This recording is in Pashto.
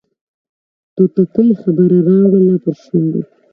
توتکۍ خبره راوړله پر شونډو